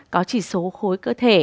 có chỉ số khối cơ thể